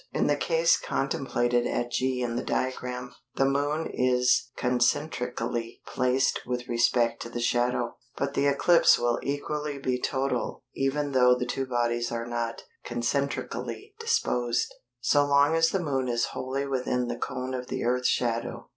In the case contemplated at G in the diagram, the Moon is concentrically placed with respect to the shadow, but the eclipse will equally be total even though the two bodies are not concentrically disposed, so long as the Moon is wholly within the cone of the Earth's shadow.